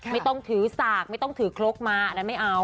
ไม่ต้องถือสากไม่ต้องถือครกมาอันนั้นไม่เอา